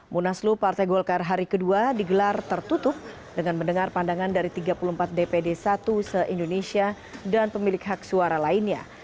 munaslu partai golkar hari kedua digelar tertutup dengan mendengar pandangan dari tiga puluh empat dpd satu se indonesia dan pemilik hak suara lainnya